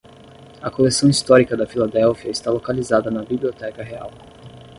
A coleção histórica da Filadélfia está localizada na Biblioteca Real.